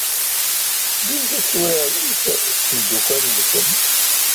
Ddumt ad turaremt d tmeddukal-nwent.